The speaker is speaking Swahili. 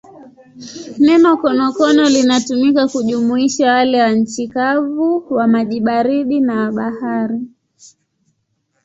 Neno konokono linatumika kujumuisha wale wa nchi kavu, wa maji baridi na wa bahari.